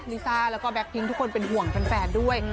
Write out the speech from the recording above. ลิซ่าแล้วก็แก๊พิ้งทุกคนเป็นห่วงแฟนด้วย